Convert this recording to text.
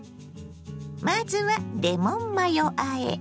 まずはレモンマヨあえ。